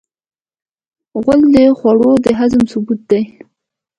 غول د خوړو د هضم ثبوت دی.